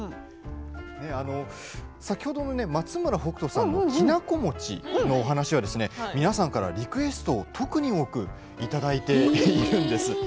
先ほどの松村北斗さんのきな粉餅のお話は皆さんからリクエストを特に多くいただいているんです。